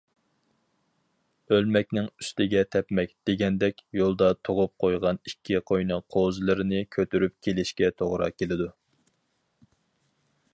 ‹‹ ئۆلمەكنىڭ ئۈستىگە تەپمەك›› دېگەندەك، يولدا تۇغۇپ قويغان ئىككى قوينىڭ قوزىلىرىنى كۆتۈرۈپ كېلىشكە توغرا كېلىدۇ.